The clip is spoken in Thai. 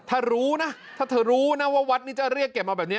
ถ้ารู้นะถ้าเธอรู้นะว่าวัดนี้จะเรียกเก็บมาแบบนี้